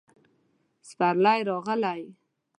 پسرلی راغلی